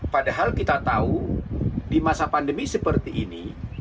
padahal kita tahu di masa pandemi seperti ini